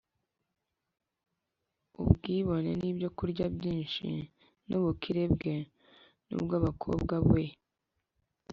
ubwibone n’ibyokurya byinshi, n’ubukire bwe n’ubw’abakobwa be